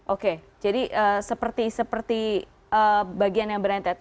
oke jadi seperti bagian yang berented